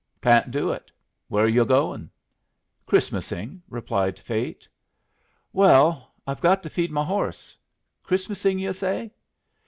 "Can't do it. Where are yu' goin'?" "Christmasing," replied Fate. "Well, I've got to feed my horse. Christmasing, yu' say?"